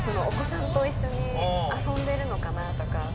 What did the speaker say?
お子さんと一緒に遊んでるのかなとか。